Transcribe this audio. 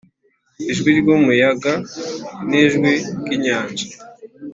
ijwi ry'umuyaga n'ijwi ry'inyanja,